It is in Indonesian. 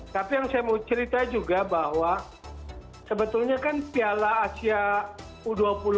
tapi yang saya mau cerita juga bahwa sebetulnya kan piala asia u dua puluh